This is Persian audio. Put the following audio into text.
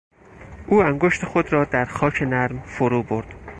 او انگشتان خود را در خاک نرم فرو برد.